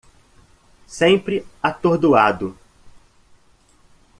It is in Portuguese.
Sempre atordoado